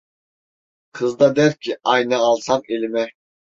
Kız da der ki ayna alsam elime.